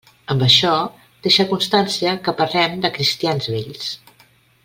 Amb això deixe constància que parlem de cristians vells.